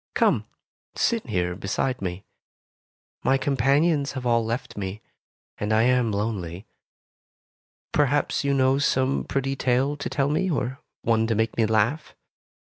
"Come, sit here beside me. My companions have all left me, and I am lonely. Perhaps you know some pretty tale to tell me, or one to make me laugh.